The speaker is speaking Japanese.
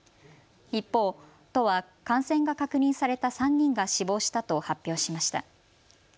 一方、都は感染が確認された３人が死亡したと発表しました。